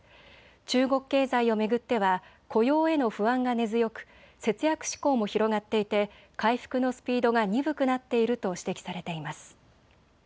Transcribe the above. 中国経済を巡っては雇用への不安が根強く節約志向も広がっていて回復のスピードが鈍くなっていると指摘されています。